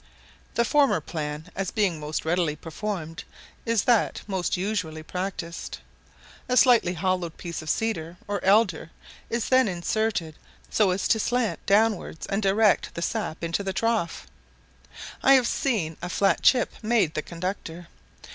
The former plan, as being most readily performed, is that most usually practised. A slightly hollowed piece of cedar or elder is then inserted, so as to slant downwards and direct the sap into the trough; I have even seen a flat chip made the conductor.